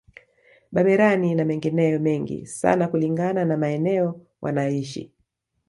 Bamerani na mengineyo mengi sana kulingana na maeneo wanayoishi